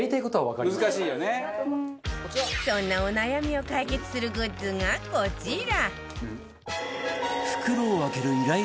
そんなお悩みを解決するグッズがこちら